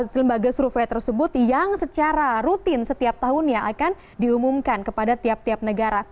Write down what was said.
lembaga survei tersebut yang secara rutin setiap tahunnya akan diumumkan kepada tiap tiap negara